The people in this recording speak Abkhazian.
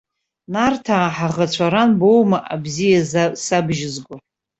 Нарҭаа ҳаӷацәа ран боума абзиа сабжьызго?